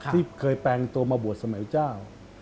ที่เคยแปลงตัวมาบวชสมัยเจ้า